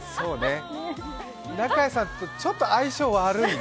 中屋さんとちょっと相性悪いね。